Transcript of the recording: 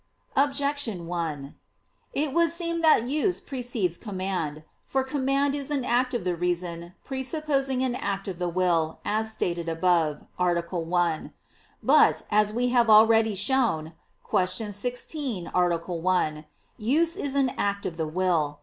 Objection 1: It would seem that use precedes command. For command is an act of the reason presupposing an act of the will, as stated above (A. 1). But, as we have already shown (Q. 16, A. 1), use is an act of the will.